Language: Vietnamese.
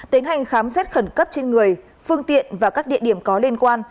tiến hành khám xét khẩn cấp trên người phương tiện và các địa điểm có liên quan